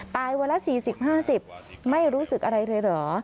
วันละ๔๐๕๐ไม่รู้สึกอะไรเลยเหรอ